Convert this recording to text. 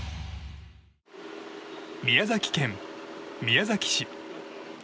宮崎県宮崎市。